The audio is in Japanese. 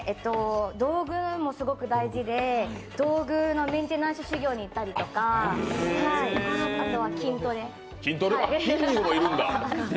道具もすごく大事で道具のメンテナンス修行にいったりとか筋肉もいるんだ？